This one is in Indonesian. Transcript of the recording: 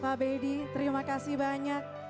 pak bedi terima kasih banyak